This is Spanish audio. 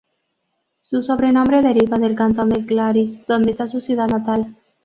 Su sobrenombre deriva del cantón de Glaris, donde está su ciudad natal.